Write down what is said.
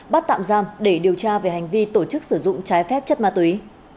bắt tạm giam để điều tra về hành vi tổ chức sử dụng trái phép chất ma túy